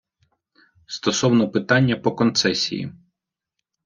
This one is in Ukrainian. Стосовно питання по концесії.